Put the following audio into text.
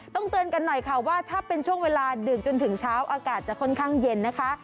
เตือนกันหน่อยค่ะว่าถ้าเป็นช่วงเวลาดึกจนถึงเช้าอากาศจะค่อนข้างเย็นนะคะ